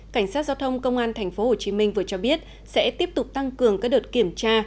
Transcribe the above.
cảnh sát giao thông công an tp hcm vừa cho biết sẽ tiếp tục tăng cường các đợt kiểm tra